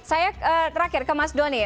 saya terakhir ke mas doni